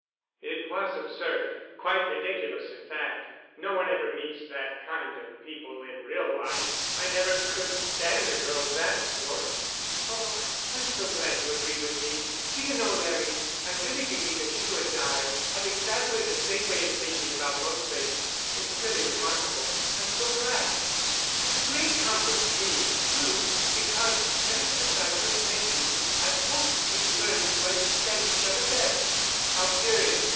"It was absurd—quite ridiculous in fact. No one ever meets that kind of people in real life. I never could stand a girl of that sort." "Oh, I'm so glad you agree with me. Do you know, Larry, I really believe that you and I have exactly the same way of thinking about most things. It's really remarkable. I'm so glad. It's a great comfort to me, too, because ever since I first met you I hoped we'd learn to understand each other better." "How curious!